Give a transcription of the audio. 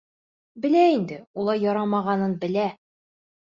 Белә инде, улай ярамағанын белә.